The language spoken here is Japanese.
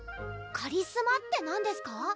カリスマって何ですか？